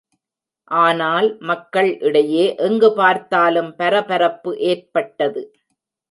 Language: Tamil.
ஆனால், மக்கள் இடையே எங்கு பார்த்தாலும் பரபரப்பு ஏற்பட்டது.